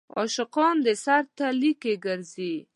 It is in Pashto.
عاشقان د سر تلي کې ګرځي.